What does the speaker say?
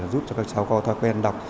giúp cho các cháu có thói quen đọc